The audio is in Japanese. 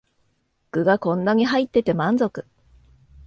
具がこんなに入ってて満足